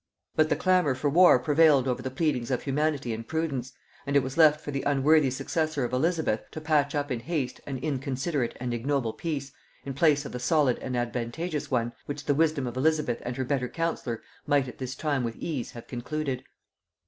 But the clamor for war prevailed over the pleadings of humanity and prudence, and it was left for the unworthy successor of Elizabeth to patch up in haste an inconsiderate and ignoble peace, in place of the solid and advantageous one which the wisdom of Elizabeth and her better counsellor might at this time with ease have concluded.